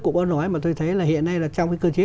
cũng có nói mà tôi thấy là hiện nay là trong cái cơ chế